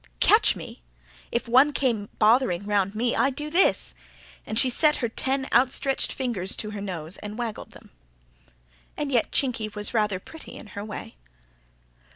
"Catch me! If one came bothering round me, I'd do this" and she set her ten outstretched fingers to her nose and waggled them. And yet Chinky was rather pretty, in her way.